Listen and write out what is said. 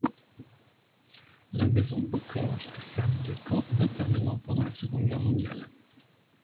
La maison Beaucorps a servi de camp d'internement pendant la Seconde Guerre mondiale.